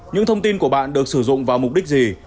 những thông tin của bạn được sử dụng vào mục đích gì